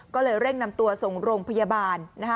ก็เลยเร่งนำตัวส่งโรงพยาบาล